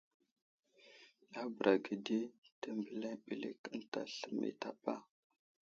A bəra ge di təmbəliŋ ɓəlik ənta sləmay i tapa.